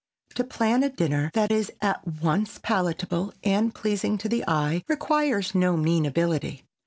To plan a dinner that is at once palatable and pleasing to the eye requires no mean ability.